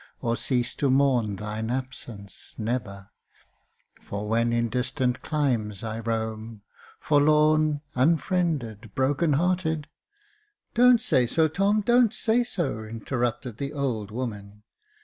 Or cease to mourn thine absence — never ! And when in distant climes I roam, Forlorn, unfriended, broken hearted "" Don't say so, Tom — don't say so," interrupted the old woman.